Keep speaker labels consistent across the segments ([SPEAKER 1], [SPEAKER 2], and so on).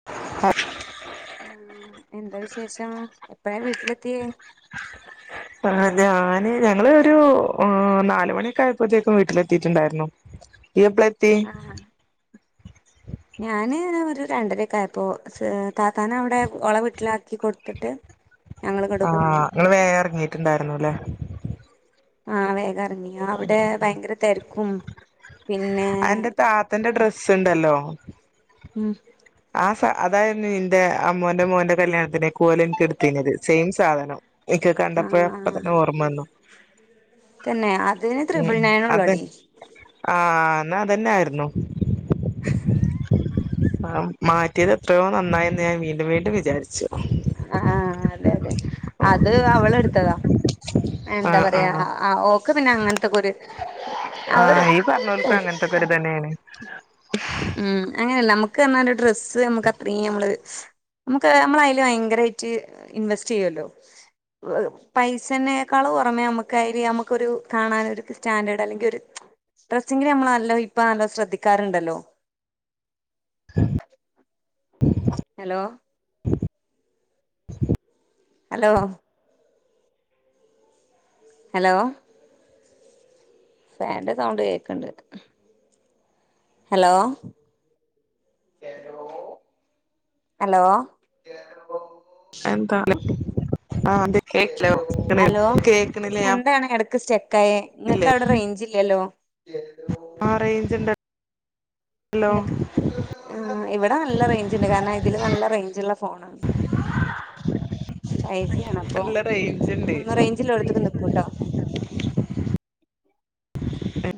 [SPEAKER 1] [inaudible]
[SPEAKER 2] ആഹ് എന്താ വിശേഷം എപ്പഴാ വീട്ടിലെത്തിയെ
[SPEAKER 1] ആഹ് ഞാൻ ഞങ്ങള് ഒരു നാലുമണിയക്കെ ആയപ്പോത്തേക്കും വീട്ടിലെത്തിട്ട്ണ്ടാരുന്നു ഇയ്യ് എപ്ലാ
[SPEAKER 2] ആഹ്
[SPEAKER 1] [inaudible]
[SPEAKER 2] ഞാന് ഒര് രണ്ടര ക്കായപ്പോ സ് തത്താന അവടെ ഓള വീട്ട്ലാക്കി കൊട്ത്ത്ട്ട്
[SPEAKER 1] ആഹ് ഇങ്ങൾ വേം അറങ്ങീട്ട്ണ്ടാരുന്നു ല്ലേ
[SPEAKER 2] ആഹ് വേഗം അറങ്ങി ആവ്ടെ ഭയങ്കര തെര്ക്കും
[SPEAKER 1] അന്റെ താത്തന്റെ ഡ്രെസ്സ് ഇണ്ടല്ലോ
[SPEAKER 2] ഉം
[SPEAKER 1] ആ സ അതാരുന്നു ഇന്റെ അമ്മോന്റെ മോന്റെ കല്യാണത്തിന്ക്ക് ഓല് ഇന്ക്ക് ഇട്ത്തീന്നത് സെയിം സാധനം ഇക്ക് കണ്ടപ്പോ അപ്പ
[SPEAKER 2] ആഹ്
[SPEAKER 1] തന്നെ ഓർമ്മന്നു
[SPEAKER 2] തന്നെ അതിന് ത്രിബിൾ
[SPEAKER 1] ഉം
[SPEAKER 2] നയൻ
[SPEAKER 1] അതെ
[SPEAKER 2] ഒള്ളടി
[SPEAKER 1] ആഹ് ന്നാതന്നെ ആരുന്നു മാ മാറ്റേത് എത്രയോ നന്നായിന്ന് ഞാൻ വീണ്ടും വീണ്ടും വിചാരിച്ചു
[SPEAKER 2] ആഹ് അതെ അതെ അത് അവള് എടുത്തതാ എന്താ
[SPEAKER 1] ആഹ്
[SPEAKER 2] പറയാ
[SPEAKER 1] ആഹ്
[SPEAKER 2] ആ ഓക്ക് പിന്നെ അങ്ങൻന്തൊക്കെ ഒര് ആ ഒര്
[SPEAKER 1] വെറുതെന്നെണ്
[SPEAKER 2] ഉം അങ്ങനെല്ല നമ്മുക്ക് എന്നാല് ഒരു ഡ്രസ്സ് നമുക്ക് അത്രിം നമ്മള് നമുക്ക് നമ്മളയ്ല് ഭയങ്കരായിറ്റ് ഇൻവെസ്റ്റ് ച്ചിയ്യല്ലോ പൈസന്നേക്കാളു പൊറമേ നമ്മുക്ക് അയില് നമുക്കൊരു കാണാനൊരു സ്റ്റാൻഡേർഡ് അല്ലെങ്കി ഒരു ഡ്രസ്സിങ്ങില് നമ്മള് നല്ലോ ഇപ്പ നല്ലൊ ശ്രദ്ധിക്കാറ്ണ്ടല്ലോ. Hello hello hello. ഫാന്റെ സൗണ്ട് കേക്ക്ണ്ട്. ഹലൊ. ഹലോ
[SPEAKER 1] എന്താ ആഹ് അതെ കേക്കണ്
[SPEAKER 2] ഹലൊ
[SPEAKER 1] കേക്കണില്ലേ ഞാൻ
[SPEAKER 2] എന്താണ് എടക്ക് സ്റ്റെ ക്കായെ ഇങ്ങക്ക് അവിടെ റെയ്ഞ്ച് ഇല്ലല്ലോ.
[SPEAKER 1] ആ റേയ്ഞ്ച്ണ്ട
[SPEAKER 2] ഇങ്ങക്ക് ആ ഇവിടെ നല്ല റെയ്ഞ്ച് ഇണ്ട്. കാര്ണം ഇതില് നല്ല റെയ്ഞ്ച്ള്ള ഫോണാണ്.
[SPEAKER 1] [inaudible]
[SPEAKER 2] ഫൈ ജി ആണ്. അപ്പൊ
[SPEAKER 1] നല്ല റേഞ്ച് ഉണ്ട്
[SPEAKER 2] ഒന്ന് റെയ്ഞ്ച് ള്ളോട്ത്ത്ക്ക് നിക്കുട്ടൊ.
[SPEAKER 1] ഏ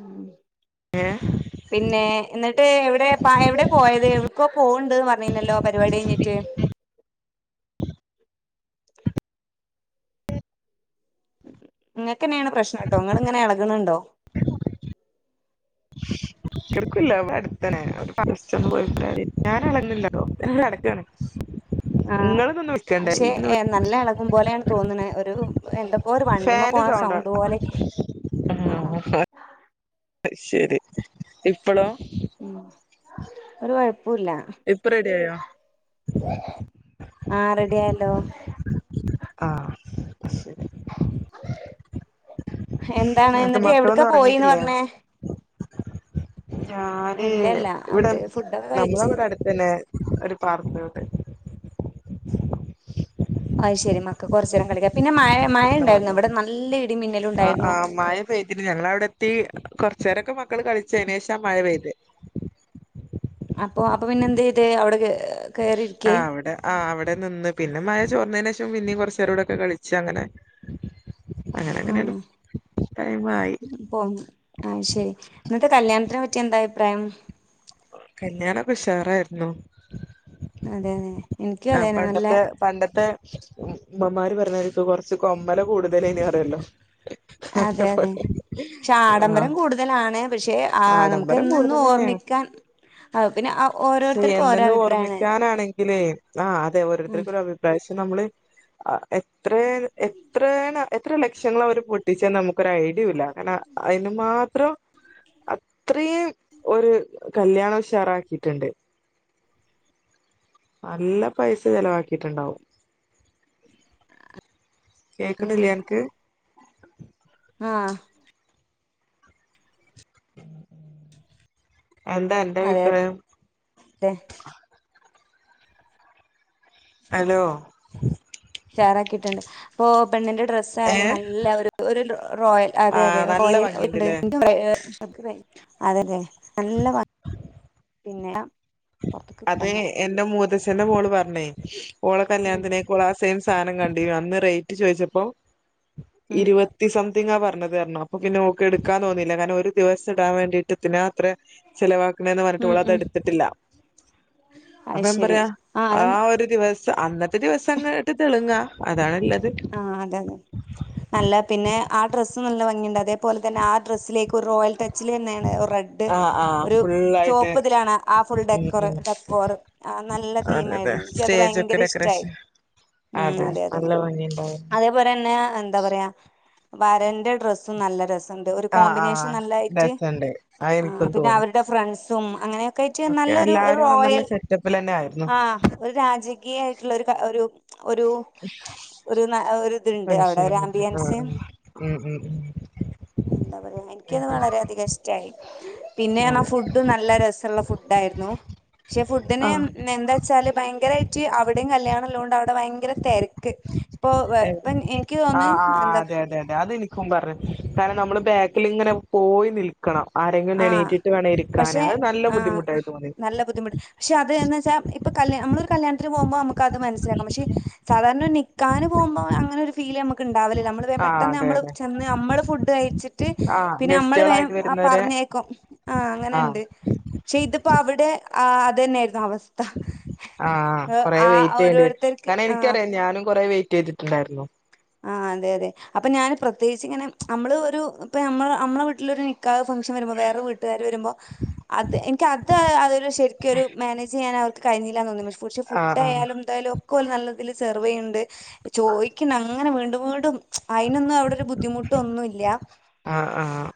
[SPEAKER 1] ഏ
[SPEAKER 2] പിന്നേ ഇന്നട്ട് എവിടെ ഇപ്പ എവിടെ പോയത്. എവിട്ക്കൊ പോവ്ണ്ട്ന്ന് പറ്ഞ്ഞീന്യല്ലോ പരിപാടി കഴിഞ്ഞിട്ട്. ഇങ്ങക്കന്നേണ് പ്രശ്നട്ടൊ. ഇങ്ങള് ഇങ്ങനെ എളക്ണ് ഇണ്ടോ.
[SPEAKER 1] എട്ക്കൂല്ല. ഇവിടെ അടുത്തനെ. [unintelligible] പോയി ഞാൻ എളകില്ലാട്ടോ. ഞാന് നടക്കാണ്.
[SPEAKER 2] ആഹ്. പക്ഷെ നല്ല എളകും പോലെയാണ് തോന്ന്ണെ. ഒരു എന്തൊക്കോ ഒരു വണ്ടിമ്മെ
[SPEAKER 1] ഫാന്റെ
[SPEAKER 2] പോണ
[SPEAKER 1] സൗണ്ടാണ്
[SPEAKER 2] സൗണ്ട് പോലെയൊക്കെ. ആഹ്.
[SPEAKER 1] അഹ് ശെരി ഇപ്പളൊ.
[SPEAKER 2] ഉം ഒരു കൊഴപ്പുല്ല
[SPEAKER 1] ഇപ്പൊ റെഡ്യായോ
[SPEAKER 2] ആഹ് റെഡി ആയല്ലോ.
[SPEAKER 1] ആഹ് ശരി
[SPEAKER 2] എന്താണ്
[SPEAKER 1] എന്നിട്ട്
[SPEAKER 2] ഇന്നട്ട് എവിട്ക്കാ
[SPEAKER 1] മക്കളൊന്നും
[SPEAKER 2] പോയിന്ന്
[SPEAKER 1] ഉറങ്ങിട്ടില്ലേ
[SPEAKER 2] പറ്ഞ്ഞെ.
[SPEAKER 1] ഞാന് ഇവിടെ
[SPEAKER 2] അവര് ഫുഡൊക്കെ കഴിച്ച്
[SPEAKER 1] നമ്മളെവിടെ അടു പിന്നെ ഒരു പാർക്ക് മുണ്ട്.
[SPEAKER 2] അയ് ശെരി. മക്കക്ക് കൊറ്ച്ചേരം കളിക്കാം. പിന്നെ മഴ മഴ
[SPEAKER 1] ആഹ്
[SPEAKER 2] ഇണ്ടായിരുന്നു.
[SPEAKER 1] ആഹ്
[SPEAKER 2] ഇവിടെ നല്ല ഇടിമിന്നലും ഇണ്ടായിരുന്നു.
[SPEAKER 1] പെയ്തിട്ടില്ല. ഞങ്ങളവിടെ എത്തി. കൊറ്ച്ചേരൊക്കെ മക്കൾ കളിച്ചു. അയിന് ശേഷ മഴ പെയ്തെ.
[SPEAKER 2] അപ്പൊ അപ്പൊ പിന്നെ എന്ത് ചെയ്ത് അവിടെ കേ
[SPEAKER 1] ആ
[SPEAKER 2] കേറിയിരിക്കേ
[SPEAKER 1] അവിടെ ആ അവിടെ നിന്ന്. പിന്നെ മഴ ചോർന്നേന് ശേഷം പിന്നിം കൊറ്ച്ചേരം കൂടൊക്കെ കളിച്ചു. അങ്ങനെ അങ്ങനെ അങ്ങനാണ്ട് ടൈമായി.
[SPEAKER 2] ഓ ആഹ് ശെരി. ഇന്നത്തെ കല്യാണത്തിനെ പറ്റി എന്താ അഭിപ്രായം.
[SPEAKER 1] കല്യാണൊക്കെ ഉഷാറായിരുന്നു.
[SPEAKER 2] അതെലേ
[SPEAKER 1] ആ പണ്ടത്തെ പണ്ടത്തെ ഉമ്മമാര് പറഞ്ഞ മാതിരിക്ക് കൊറച്ച് കൊമ്മല കൂടുതലേനി. ല്ലോ
[SPEAKER 2] അതെ
[SPEAKER 1] ആഹ്.
[SPEAKER 2] കുടുതലാണ് പക്ഷെ. ആ നമുക്ക്
[SPEAKER 1] ആഡംബരം
[SPEAKER 2] എന്നെന്നും
[SPEAKER 1] കൂടുതലെന്നേണ്.
[SPEAKER 2] ഓർമ്മിക്കാൻ ആ പിന്നെ ആ
[SPEAKER 1] പക്ഷെ
[SPEAKER 2] ഓരോരുത്തർക്കും ഓരോ
[SPEAKER 1] എന്നന്ന്
[SPEAKER 2] അഭിപ്രായാണ്
[SPEAKER 1] ഓർമ്മിക്കാനാണെങ്കിലേ ആ അതെ ഓരോരുത്തർക്കും ഒരുഭി ഇപ്രാവശ്യം നമ്മള് ആ എത്രെ എത്രെണ് എത്ര ലക്ഷങ്ങള് അവർ പൊട്ടിച്ചെന്ന് നമുക്ക് ഒരു ഐഡിയുല്ല കാരണം അയിന് മാത്രം ഇത്രീം ഒരു കല്യാണം ഉഷാറാക്കിയിട്ട്ണ്ട് നല്ല പൈസ ചെലവാക്കിട്ടുണ്ടാവും കേക്കണില്ലേ അനക്ക്
[SPEAKER 2] ആഹ്
[SPEAKER 1] എന്താ അന്റെ
[SPEAKER 2] അതെ അ
[SPEAKER 1] അഭിപ്രായം
[SPEAKER 2] [unintelligible]
[SPEAKER 1] ഹലോ
[SPEAKER 2] ഷെയർ ആക്കിയിട്ടുണ്ട് പ്പൊ പെണ്ണിന്റെ ഡ്ര
[SPEAKER 1] ഏ
[SPEAKER 2] യാലും നല്ല ഒരു ഒരു റോയൽ
[SPEAKER 1] ആ
[SPEAKER 2] അതെ അതെ
[SPEAKER 1] നല്ല
[SPEAKER 2] റോയൽ
[SPEAKER 1] ഭംഗിയുണ്ടല്ലേ
[SPEAKER 2] ഇണ്ട് അതതെ നല്ല വ പിന്നെ പുറത്ത്ക്ക്
[SPEAKER 1] അത്
[SPEAKER 2] എടുക്കണ്ട
[SPEAKER 1] എന്റെ മൂതച്ഛന്റെ മോള് പറഞ്ഞേ ഓള
[SPEAKER 2] ഉം
[SPEAKER 1] കല്യാണത്തിനേ ഓള സെയിം സാധനം കണ്ട അന്ന് റേറ്റ് ചോദിച്ചപ്പോ
[SPEAKER 2] ഉം
[SPEAKER 1] ഇരുപ ത്തി സംതിങ്ങാ പറഞ്ഞത് ര്ണു അപ്പൊ പിന്നെ ഓക്ക് എടുക്കാൻ തോന്നില്ല കാരണം ഒരു ദിവസം ഇടാൻ വേണ്ടിയിട്ട് പിന്നെ അത്ര ചെലവാക്കണന്ന് പറഞ്ഞട്ട്
[SPEAKER 2] ഉം
[SPEAKER 1] ഓള്
[SPEAKER 2] ഉം
[SPEAKER 1] അതെടുത്തിട്ടില്ല
[SPEAKER 2] അത്
[SPEAKER 1] അപ്പ എം
[SPEAKER 2] ശരി
[SPEAKER 1] പറയാ
[SPEAKER 2] ആ അത്
[SPEAKER 1] ആഹ് ഒരു ദിവസം അന്നത്തെ ദിവസം അങ്ങോട്ട് തെളുങ്ങാ അതാണല്ലത്
[SPEAKER 2] ആഹ് അതെ അതെ നല്ല പിന്നെ ആഹ് ഡ്രസ്സ് നല്ല ഭംഗിയുണ്ട് അതേ പോലെ തന്നെ ആഹ് ഡ്രസ്സിലേക്ക് ഒരു റോയൽ ടച്ചിൽ തന്നെയാണ് ഒരു റെഡ്
[SPEAKER 1] ആഹ് ആഹ്
[SPEAKER 2] ഒരു
[SPEAKER 1] ഫുള്ളായിട്ട്
[SPEAKER 2] ചോപ്തിലാണ് ആഹ് ഫുൾ
[SPEAKER 1] ഉം
[SPEAKER 2] ഡക്കറ്
[SPEAKER 1] ഉം
[SPEAKER 2] ഡെക്കോർ ആഹ് നല്ല തീം ആയിരുന്നു
[SPEAKER 1] സ്റ്റേജക്കെ ഡെക്കറേഷൻ അതെ നല്ല ഭംഗിണ്ടായിരുന്നു
[SPEAKER 2] അതേപോലെന്നെ എന്താ പറയാ വരന്റെ ഡ്രെസ്സും നല്ല ഡ്രസ്
[SPEAKER 1] ആഹ്
[SPEAKER 2] കോമ്പിനേഷൻ
[SPEAKER 1] ആഹ്
[SPEAKER 2] നല്ലായിട്ട്
[SPEAKER 1] രസണ്ട് അത് എനിക്കും
[SPEAKER 2] പിന്നെ
[SPEAKER 1] തോന്നി
[SPEAKER 2] അവരുടെ ഫ്രണ്ട്സും അങ്ങനെ [unintelligible]
[SPEAKER 1] ഒക്കെ
[SPEAKER 2] നല്ലൊരു
[SPEAKER 1] എല്ലാരും നല്ല
[SPEAKER 2] റോയൽ
[SPEAKER 1] സെറ്റപ്പിലെന്നെ ആയിരുന്നു
[SPEAKER 2] ആഹ് ഒരു രാജകീയയിട്ടുള്ള ഒരു ഒരു
[SPEAKER 1] [inaudible]
[SPEAKER 2] ഒരു ന ഒ ഇതുണ്ട് അവിടെ
[SPEAKER 1] ഫങ്ഷൻ
[SPEAKER 2] ഒരു
[SPEAKER 1] ആഹ്
[SPEAKER 2] ആംബിയൻസ്
[SPEAKER 1] ആഹ് ഉം ഉം ഉം
[SPEAKER 2] എന്താ പറയാ എനിക്കത്
[SPEAKER 1] അതെ
[SPEAKER 2] വളരെയധിക ഇഷ്ടായി പിന്നെയാണാ
[SPEAKER 1] അതെ
[SPEAKER 2] ഫുഡ് ഡും നല്ല രസള്ള ഫുഡായിരുന്നു പക്ഷെ ഫുഡിന് എന്താ [unintelligible] ച്ചാല് ഭയങ്കരായിട്ട് അവിടേം കല്യാണല്ലോണ്ട് അവിടെ ഭയങ്കര തെരക്ക് ഇപ്പൊ
[SPEAKER 1] ആഹ്
[SPEAKER 2] [unintelligible] ഇനിക്ക് തോന്നുന്നു
[SPEAKER 1] ആഹ് ആഹ്
[SPEAKER 2] എന്താ
[SPEAKER 1] അതെ അതെ അതെനിക്ക് പറഞ്ഞു കാരണം നമ്മള് ബാക്കിൽങ്ങനെ പോയി നിൽക് ക്കണം ആരെങ്കിലും
[SPEAKER 2] ആ
[SPEAKER 1] എണീറ്റിട്ട് വേണം ഇരിക്കാന്
[SPEAKER 2] പക്ഷെ
[SPEAKER 1] അത് നല്ല
[SPEAKER 2] ആ
[SPEAKER 1] ബുദ്ധിമുട്ടായി തോന്നിയത്
[SPEAKER 2] നല്ല ബുദ്ധിമുട്ട് പക്ഷെ അത് എന്ന്ച്ചാ ഇപ്പൊ കല്യാ നമ്മള് കല്യാണത്തിന് പോകുമ്പോ നമുക്ക് അത് മനസ്സിലാക്കാം പക്ഷെ സാധാരണ ഒരു നിക്കാഹിന് പോകുമ്പോ അങ്ങനെ ഒരു ഫീല് നമുക്ക് ഉണ്ടാവലി ന
[SPEAKER 1] ആഹ്
[SPEAKER 2] പെട്ടെന്ന്
[SPEAKER 1] അതെ
[SPEAKER 2] നമ്മള്
[SPEAKER 1] അതെ
[SPEAKER 2] ചെന്ന് നമ്മള് ഫുഡ് കഴിച്ചിട്ട്
[SPEAKER 1] ആഹ്
[SPEAKER 2] പിന്നെ നമ്മള് വേം
[SPEAKER 1] ഗസ്റ്റുകളായിട്ട് വരുന്നവരെ
[SPEAKER 2] പറഞ്ഞേക്കും ആഹ് അങ്ങനെണ്ട് പക്ഷെ ഇതിപ്പോ അവടെ അത് തന്നെയായിരുന്നു അവസ്ഥ
[SPEAKER 1] ആഹ്
[SPEAKER 2] ഏഹ്
[SPEAKER 1] കൊറെ
[SPEAKER 2] ആ
[SPEAKER 1] വെയിറ്റ് ചെയ്യേണ്ടി വരും
[SPEAKER 2] ഓരോരുത്തർക്ക്
[SPEAKER 1] കാരണം
[SPEAKER 2] ആ
[SPEAKER 1] എനിക്കറിയാം ഞാനും കൊറെ വെയിറ്റ് ചെയ്തിട്ടുണ്ടായിരുന്നു
[SPEAKER 2] ആഹ് അതെ അതെ അപ്പൊ ഞാന് പ്രത്യേകിച്ച് ഇങ്ങനെ നമ്മള് ഒരു ഇപ്പ നമ്മ നമ്മളെ വീട്ടിലരു നിക് നിക്കാഹ് ഫങ്ൻ വരുമ്പോ വേറെ വീട്ടി ട്ടുകാർ വരുമ്പോ അത് എനിക്ക അത് അതൊരു ശരിക്കൊരു മാനേജ് ചെയ്യാൻ അവർക്ക് കഴിഞ്ഞില്ലന്ന് തോന്നി പക്ഷെ പക്ഷെ ഫുഡ്
[SPEAKER 1] ആഹ്
[SPEAKER 2] ആയാലും എന്തായാലും ഒക്കെ ഓല് നല്ലതിൽ സെർവ് ചെയ്യുന്നുണ്ട് ചോദിക്ക ങ്ങനെ വീണ്ടും വീണ്ടും അയിനൊന്നും അവിട ഒരു ബുദ്ധിമുട്ടൊന്നുല്ല
[SPEAKER 1] ആഹ് ആഹ്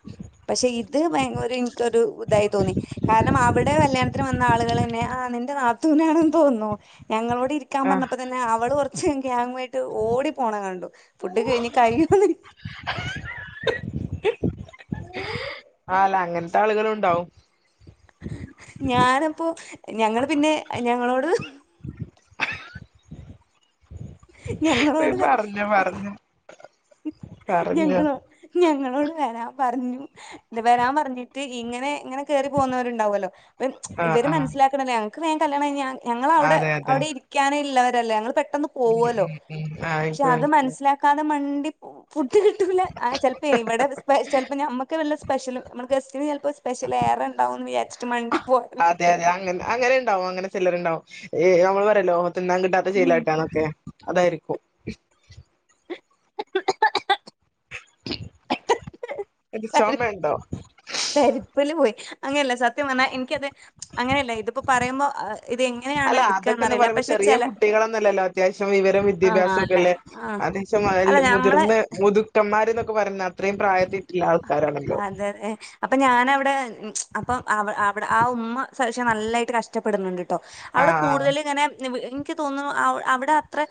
[SPEAKER 2] പക്ഷെ ഇത് ഭയങ്കര എനിക്കൊരു ഇതായി തോന്നി കാരണം അവിടെ കല്യാണത്തിന് വന്ന ആളുകൾ തന്നെ ആഹ് നിന്റെ നാത്തൂനാണെന്ന് തോന്നുന്നു ഞങ്ങളോട് ക്കാൻ
[SPEAKER 1] ആഹ്
[SPEAKER 2] പറഞ്ഞപ്പോ തന്നെ അവള് കുറച്ച ഗ്യാങ്ങുമായിട്ട് ഓടി പോണ കണ്ടു ഫുഡ് കഴിഞ്ഞ് കയ്യൊന്നു
[SPEAKER 1] ആ അല്ല അങ്ങൻത്തെ ആളുകളും ഉണ്ടാവും.
[SPEAKER 2] ഞാനപ്പോ ഞങ്ങള് പിന്നെ ഞങ്ങളോട് ഞങ്ങളോട്
[SPEAKER 1] പറഞ്ഞോ പറഞ്ഞോ പറഞ്ഞോ
[SPEAKER 2] ഞങ്ങളോ ഞങ്ങളോട് വരാൻ പറഞ്ഞു വരാൻ പറഞ്ഞിട്ട് ഇങ്ങനെ ഇങ്ങനെ കേറി പോന്നവര് ഇണ്ടാവു അല്ലോ ഇം
[SPEAKER 1] ആഹ്
[SPEAKER 2] ഇവര്
[SPEAKER 1] ആഹ്
[SPEAKER 2] മനസിലാക്കണല്ലേ ഞങ്ങക്ക് വേഗം കല്യാണം കഴിഞ്ഞാ ഞങ്ങളവിടെ
[SPEAKER 1] അതെ അതെ
[SPEAKER 2] അവിടെ ഇരിക്കാനിള്ളവരല്ലേ ഞങ്ങൾ പെട്ടെന്ന്
[SPEAKER 1] ഉം
[SPEAKER 2] പോവല്ലോ
[SPEAKER 1] ഉം ഉം ആഹ്
[SPEAKER 2] പക്ഷെ
[SPEAKER 1] ഇൻക്ക്
[SPEAKER 2] അത്
[SPEAKER 1] മനസ്സിലായി
[SPEAKER 2] മനസ്സിലാ ക്കാതെ മണ്ടി ഫുഡ് കിട്ടൂല അഹ് ചെലപ്പോ ഇവിടെ ചെലപ്പോ ഞമ്മക്ക് വല്ല സ്പെഷ്യല് നമ്മുടെ ഗസ്റ്റിന് ചെലപ്പോ സ്പെഷ്യൽ ഏറെ ഇണ്ടാവും എന്ന് വിചാരിച്ചട്ട് മണ്ടി പോയ
[SPEAKER 1] അതെ അതെ അങ്ങേ അങ്ങനെ ഉണ്ടാവും അങ്ങനെ ചെലരുണ്ടാവും ഏഹ് നമ്മള് പറയല്ലോ ലോഹ തിന്നാൻ കിട്ടാത്ത
[SPEAKER 2] ഉം
[SPEAKER 1] ചെയ്ലായിട്ടാണ് എന്നൊക്കെ- അതായിരിക്കും. എത് ചോമ ഇണ്ടോ?
[SPEAKER 2] തെരപ്പില് പോയി അങ്ങനെയല്ല സത്യം പറഞ്ഞാ എനിക്കത് അങ്ങനെ അല്ല ഇതിപ്പോ പറയുമ്പോ ഇത് എങ്ങനെയാണ്
[SPEAKER 1] അല്ല അതൊക്കെന്ന്
[SPEAKER 2] എടുക്കാന്നറിയില്ല
[SPEAKER 1] പറയുമ്പോ
[SPEAKER 2] പക്ഷെ
[SPEAKER 1] ചെറിയ
[SPEAKER 2] ചെല
[SPEAKER 1] കുട്ടികളൊന്നുമല്ലല്ലോ അത്യാവശ്യം വിവരം
[SPEAKER 2] ആഹ്
[SPEAKER 1] വിദ്യാഭ്യാസം ഒക്കെ
[SPEAKER 2] അല്ല
[SPEAKER 1] ഇല്ലേ.
[SPEAKER 2] ആഹ്
[SPEAKER 1] അത് ഇശം
[SPEAKER 2] അല്ല
[SPEAKER 1] മയില്ല
[SPEAKER 2] ഞമ്മളെ
[SPEAKER 1] മുതിർന്ന മുതുക്കന്മാര എന്നൊക്കെ പറയുന്ന അത്രയും പ്രായത്തി റ്റുള്ള ആൾക്കാരാണല്ലോ.
[SPEAKER 2] ഏഹ് ഏഹ്. അപ്പൊ ഞാനവിടെ അപ്പൊ അവിടെ ആ ഉമ്മ ശശ നല്ലായിട്ട് കഷ്ടപ്പെടുന്നുണ്ട്. ട്ടോ അവിടെ
[SPEAKER 1] ആഹ്
[SPEAKER 2] കൂടുതലും ഇങ്ങനെ നി വീ നിക്ക് തോന്ന്ണു അവിടെ അത്രെ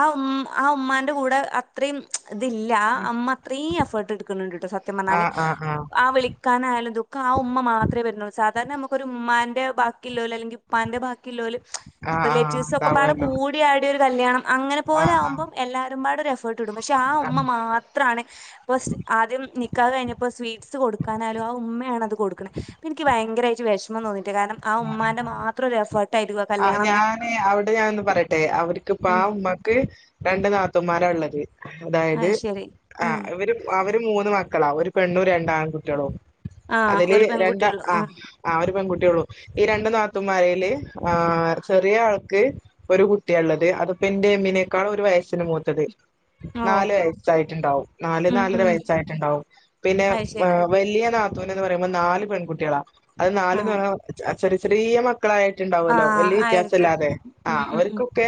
[SPEAKER 2] ആ ഉമ് ആ ഉമ്മാന്റെ കൂടെ അത്രയും ഇത് ഇൽ ല് ആ അമ്മ അത്രീം എഫേർട്ട് എടുക്കണിണ്ട് കേട്ടോ സത്യം പറഞ്ഞാല്.
[SPEAKER 1] ആഹ് ആഹ് ആഹ്
[SPEAKER 2] ആ വിളിക്കാനായാലും ദുഃഖം ആ ഉമ്മ മാത്രെ വരുന്നുള്ളൂ സാധാരണ നമുക്ക് ഒരു ഉമ്മാന്റെ ബാക്കി ഇല്ലോല് അല്ലെങ്കി പ്പാന്റെ ബാക്കി ഇല്ലോല്
[SPEAKER 1] ആഹ്
[SPEAKER 2] ഒരു
[SPEAKER 1] ആഹ്
[SPEAKER 2] റിലേറ്റീവ്സ് ഒക്കെ പാടെ കൂ
[SPEAKER 1] ഉണ്ടാവുമല്ലോ
[SPEAKER 2] ടി ആടി ഒരു കല്യാണം അങ്ങനെ പോലെ
[SPEAKER 1] ആഹ് ആഹ്
[SPEAKER 2] ആവുമ്പം എല്ലാരും പാട് ഒരു എഫർട്ട് എടുക്കും പക്ഷെ ആ ഉമ്മ
[SPEAKER 1] ആഹ്
[SPEAKER 2] മാത് ത്രാണ് ഫസ് ആദ്യം നിക്കാഹ് കഴിഞ്ഞപ്പോ സ്വീറ്റ്സ് കൊടുക്കാനാലും ആ ഉമ്മയാണ് അത് കൊടുക്കണെ അപ്പം എനിക്ക് ഭയങ്കരായിറ്റ് വിഷമം തോന്നിയിട്ടാ കാരണം ആ
[SPEAKER 1] ആഹ്
[SPEAKER 2] ഉമ്മാന്റെ മാത്രം ഒരു എഫേർട്ട് ആയിരിക്കും
[SPEAKER 1] ആഹ്
[SPEAKER 2] കല്യാണം ന്ന്.
[SPEAKER 1] ഞാന് അവിടെ ഞാനൊന്ന് പറയട്ടെ അവര്ക്ക് ഇപ്പ ആ ഉമ്മാക്ക് രണ്ട് നാത്തൂന്മാര ഇള്ളത്. അതായത്
[SPEAKER 2] അത് ശരി
[SPEAKER 1] ആ
[SPEAKER 2] ആഹ്
[SPEAKER 1] ഇവര് അവര് മൂന്ന് മക്കളാ ഒരു പെണ്ണും രണ്ട് ആൺകുട്ടികളും.
[SPEAKER 2] ആഹ്
[SPEAKER 1] അതില്
[SPEAKER 2] ഒരു
[SPEAKER 1] രണ്ട
[SPEAKER 2] പെൺകുട്ടിയുള്ളൂ
[SPEAKER 1] ആഹ് ആ ഒരു പെൺകുട്ടിയുള്ളൂ. ഈ രണ്ടു നാത്തൂൻമാരില് ആ ചെറിയ ആൾക്ക് ഒരു കുട്ടിയാ ഇള്ളത് അതിപ്പോ എൻ്റെ ഇമ്മിനേക്കാളു ഒരു വയസ്സിന് മൂത്തത്.
[SPEAKER 2] ഓ
[SPEAKER 1] നാല് വയസ്സായിറ്റിണ്ടാവും നാല്
[SPEAKER 2] ഉം
[SPEAKER 1] നാലര
[SPEAKER 2] ഉം
[SPEAKER 1] വയസ്സായിട്ടുണ്ടാവും പിന്നെ
[SPEAKER 2] അത് ശരി
[SPEAKER 1] വലിയ നാ ത്തൂന് ന്ന് പറയുമ്പോ നാല് പെൺകുട്ടികളാ അത് നാല്ന്ന്
[SPEAKER 2] ആഹ്
[SPEAKER 1] പറ ചെ ചെറിയ മ ക്കളായിട്ടുണ്ടാവു അല്ലോ
[SPEAKER 2] ആഹ്
[SPEAKER 1] വലിയ വ്യത്യാസം
[SPEAKER 2] ആയിരിക്കും
[SPEAKER 1] ഇല്ലാതെ ആ
[SPEAKER 2] ഉം ഉം ഉം
[SPEAKER 1] അവർക്കൊക്കെ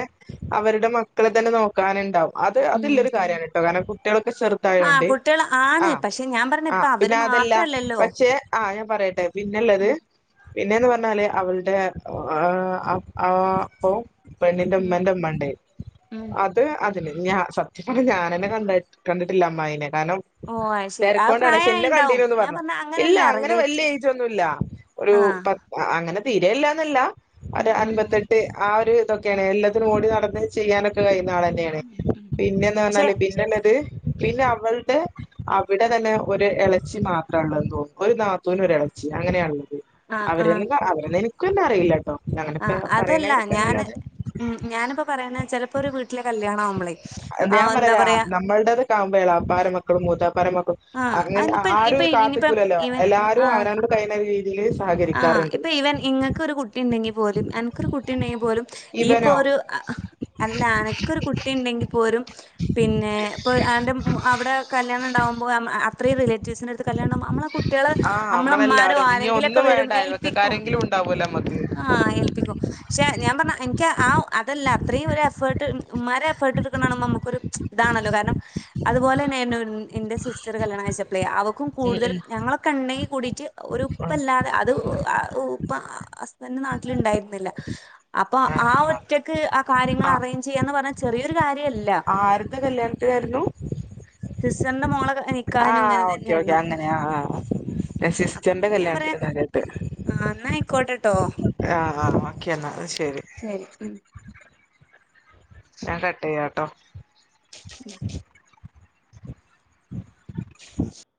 [SPEAKER 1] അവരുടെ മക്കളെ തന്നെ നോക്കാനുണ്ടാവും അത്
[SPEAKER 2] ഉം
[SPEAKER 1] അതില്ലൊരു കാര്യാണ് ട്ടോ കാരണം കുട്ടികളൊക്കെ ചെറ്
[SPEAKER 2] ആഹ്
[SPEAKER 1] ട്ടായോണ്ട്
[SPEAKER 2] കുട്ടികൾ ആണ്
[SPEAKER 1] ആഹ്
[SPEAKER 2] പക്ഷെ ഞാൻ പറഞ്ഞ ഇപ്പ
[SPEAKER 1] ആഹ്
[SPEAKER 2] അവര്
[SPEAKER 1] പിന്നെ അതല്ല
[SPEAKER 2] മാത്രല്ലല്ലോ
[SPEAKER 1] പക്ഷേ ആഹ് ഞാൻ പറയട്ടെ പിന്നെ ഇള്ളത്
[SPEAKER 2] ഉം
[SPEAKER 1] പിന്നെന്ന് പറഞ്ഞാല് അവൾടെ ആഹ് ആഹ് അപ്പൊവും പെണ്ണിന്റെ
[SPEAKER 2] ഉം
[SPEAKER 1] ഇമ്മന്റെ ഇമ്മ ഇണ്ട്
[SPEAKER 2] ഉം
[SPEAKER 1] അ ത് അതിന് ഞാ സത്യം പറഞ്ഞ ഞാൻ അന്നെ കണ്ട കണ്ടിട്ടില്ല അമ്മായിനെ കാരണം
[SPEAKER 2] ഓ അത് ശരി അത്
[SPEAKER 1] തെരക്കൊണ്ട് ആണ് ക്ഷെ എന്നെ
[SPEAKER 2] പ്രായായിണ്ടാവും
[SPEAKER 1] കണ്ടീനുന്ന്
[SPEAKER 2] ഞാൻ
[SPEAKER 1] പറഞ്ഞു
[SPEAKER 2] പറഞ്ഞ
[SPEAKER 1] ഇല്ല
[SPEAKER 2] അങ്ങനെയല്ല
[SPEAKER 1] അങ്ങനെ വലിയ
[SPEAKER 2] റിലേറ്റീവ്സ്
[SPEAKER 1] ഏജ് ഒന്നും ഇല്ല. ഒരു
[SPEAKER 2] ആഹ്
[SPEAKER 1] പത്ത് അങ്ങനെ തീരെ ഇല്ല എന്നല്ല ഒരു
[SPEAKER 2] ഉം ഉം ഉം
[SPEAKER 1] അൻപത്തെട്ട് ആ ഒരു ഇതൊക്കെയാണ് എല്ലാത്തിനും ഓടി നടന്ന് ചെയ്യാനൊക്കെ കയ്യുന്ന
[SPEAKER 2] ഉം
[SPEAKER 1] ആളന്നെയാണ്
[SPEAKER 2] ഉം ഉം
[SPEAKER 1] പിന്നെന്ന്
[SPEAKER 2] പക്ഷെ
[SPEAKER 1] പറഞ്ഞാല് പിന്നെ ഇല്ലത് പിന്നെ അവൾടെ അവിടെ തന്നെ ഒരു ഇളച്ചി മാത്രേ ഉള്ളന്ന് തോന്നും ഒരു നാ ഒരേളച്ചി. അങ്ങനെയള്ളത്.
[SPEAKER 2] ആഹ്
[SPEAKER 1] അവര
[SPEAKER 2] ആഹ്
[SPEAKER 1] അവ എനക്ക് തന്നെ അറിയില്ല ട്ടോ.
[SPEAKER 2] ആഹ് അതല്ല. ഞാന് ഉം. ഞാനിപ്പോ പറയുന്ന വെച്ച ചിലപ്പോ ഒരു വീട്ടിലെ കല്യാണവുമ്പളെ
[SPEAKER 1] അഹ് ത് ഞാൻ പറരാ മ്മക്കാമ്പോ എളാപ്പാടെ മക്കളും മൂതാപ്പാടെ മക്കളും
[SPEAKER 2] ആഹ്
[SPEAKER 1] അങ്ങനെ
[SPEAKER 2] അനിപ്പ ഇപ്പ
[SPEAKER 1] ആരും
[SPEAKER 2] ഇനിയിപ്പം
[SPEAKER 1] കാത്തിക്കൂലല്ലോ.
[SPEAKER 2] ഇവൻ
[SPEAKER 1] എല്ലാരും
[SPEAKER 2] ആഹ്
[SPEAKER 1] അവനോന്റെ കൈന രീതിയില്
[SPEAKER 2] ആഹ്
[SPEAKER 1] സഹകരിക്കാറുണ്ട്
[SPEAKER 2] ഇപ്പൊ ഈവൻ ഇങ്ങൾക്ക് ഒരു കുട്ടി ഉണ്ടെങ്കി പോലും എനക്കൊരു കുട്ടി ഉണ്ടെങ്കി പോലും ഈപ്പോ
[SPEAKER 1] ഇവനോ
[SPEAKER 2] ഒരു അല്ല അനക്കൊ രു കുട്ടി ഉണ്ടെങ്കി പോരും പിന്നെ ഇപ്പൊ അന്റെ അവിടെ കല്യാ ണ്ടാകുമ്പോ അത്രയും റിലേറ്റീവ്സിന്റെ അടുത്ത്ല്യാ ണ്ടാക്പ നമ്മെ കുട്ടികള് നമ്മമ്മാരോ ആരോങ്കിലോ
[SPEAKER 1] ന്നും വേണ്ട അയൽവക്കക്കാരെങ്കിലും ണ്ടാവലോ നമക്ക്.
[SPEAKER 2] ആഹ് ഏൽപ്പിക്കും. പക്ഷെ ഞാൻ പറഞ്ഞ എനിക്ക് ആഹ് അതല്ല അത്രയും ഒരു എഫേർ ട്ട്. ഉമ്മാര് എഫേർട്ട് എടുക്കാണ കാണുമ്പോ നമുക്കൊരു ഇതാണല്ലോ കാരണം അതുപോലെ തന്നെ എന്റെ സിസ് റ്ററ് കല്യാണ കഴിച്ചപ്ലേ അവക്കും
[SPEAKER 1] ഉം ഉം
[SPEAKER 2] കൂടുതലും ഞങ്ങളൊക്കെ ണ്ടെങ്കി കൂടിയിട്ട് ഒരു
[SPEAKER 1] ഉം
[SPEAKER 2] താണ്. അത് ഇപ്പ ഹസ്ബന്റ് നാട്ടില് ണ്ടായിരുന്നില്ല. അപ്പൊ ആഹ്
[SPEAKER 1] ആ
[SPEAKER 2] ഒറ്റക്ക് ആഹ് കാര്യങ്ങൾ അറേഞ്ച് ചെയ്യാന്ന് പറഞ്ഞാ ചെറിയൊരു കാര്യല്ല.
[SPEAKER 1] ആരുടെ കല്യാണത്തിനായിരുന്നു.
[SPEAKER 2] സിസ്റ്ററുടെ മോള
[SPEAKER 1] ആ
[SPEAKER 2] നിക്കാഹിനും ഇങ്ങനെ
[SPEAKER 1] ഓക്കെ ഓക്കെ
[SPEAKER 2] തന്നെയായിരുന്നു.
[SPEAKER 1] അങ്ങനെ ആ ആ
[SPEAKER 2] ഉം അപ്പം
[SPEAKER 1] സിസ്റ്ററിന്റെ
[SPEAKER 2] ഞാൻ പറയാ
[SPEAKER 1] കല്യാണത്തിന് കേട്ട്
[SPEAKER 2] ആഹ് ന്നാ ആയിക്കോട്ടെട്ടോ.
[SPEAKER 1] ആഹ് ആഹ് ഒക്കെ ന്നാ അപ്പൊ ശരി.
[SPEAKER 2] ശരി ഉം
[SPEAKER 1] ഞാൻ കട്ട് ചെയ്യാട്ടോ.
[SPEAKER 2] ഉം
[SPEAKER 1] [inaudible]